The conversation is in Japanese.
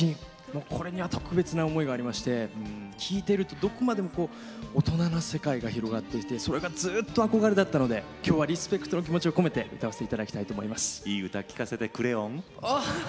これには特別な思いがありまして聴いているとどこまでも大人な世界が広がっていてそれがずっと憧れだったので今日はリスペクトの気持ちを込めて歌わせていただきたいと思います。